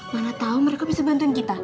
mana tahu mereka bisa bantuin kita